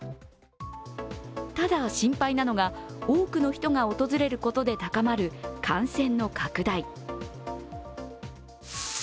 ただ、心配なのが多くの人が訪れることで高まる感染の拡大。